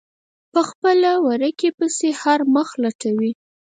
په خپله ورکې پسې هر مخ لټوي.